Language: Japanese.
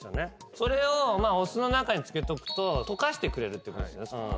それをお酢の中に漬けとくと溶かしてくれるってことですね。